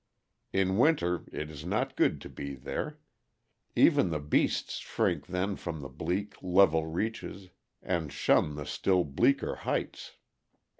In winter it is not good to be there; even the beasts shrink then from the bleak, level reaches, and shun the still bleaker heights.